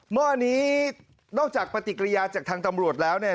เมื่ออันนี้นอกจากปฏิกิริยาจากทางตำรวจแล้วเนี่ย